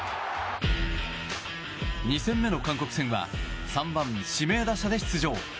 ２戦目の韓国戦は３番、指名打者で出場。